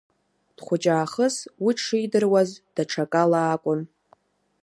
Дхәыҷаахыс уи дшидыруаз даҽакала акәын.